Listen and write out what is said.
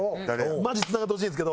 マジつながってほしいんですけど。